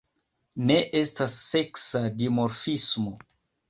Ne estas seksa dimorfismo.